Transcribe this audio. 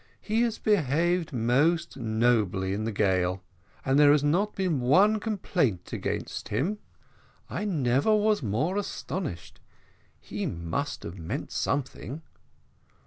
He has behaved most nobly in the gale, and there has not been one complaint against him I never was more astonished he must have meant something."